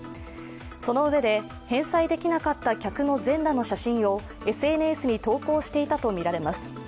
そのうえで、返済できなかった客の全裸の写真をＳＮＳに投稿していたとみられます。